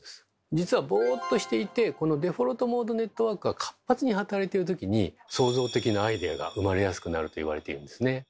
実はボーっとしていてこのデフォルトモードネットワークが活発に働いてるときに創造的なアイデアが生まれやすくなると言われているんですね。